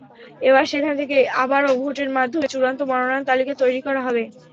এবার সেখান থেকে আবারও ভোটের মাধ্যমে চূড়ান্ত মনোনয়ন তালিকা তৈরি করা হবে।